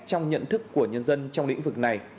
trong nhận thức của nhân dân trong lĩnh vực này